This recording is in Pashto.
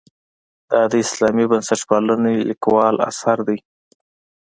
دا د اسلامي بنسټپالنې لیکوال اثر دی.